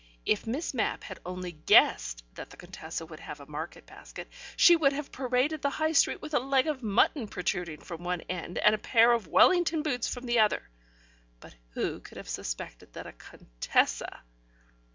If Miss Mapp had only guessed that the Contessa would have a market basket, she would have paraded the High Street with a leg of mutton protruding from one end and a pair of Wellington boots from the other. ... But who could have suspected that a Contessa